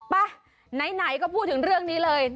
ไปไหนก็พูดถึงเรื่องนี้เลย